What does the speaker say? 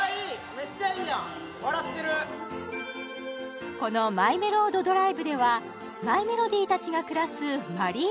めっちゃいいやん笑ってるこのマイメロードドライブではマイメロディたちが暮らすマリー